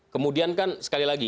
kemudian kan sekali lagi